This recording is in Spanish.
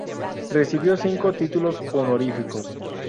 Recibió cinco títulos honoríficos.